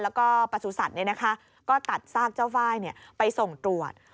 และประสุทธิ์ก็ตัดทราบเจ้าไฟล์ไปส่งตรวจ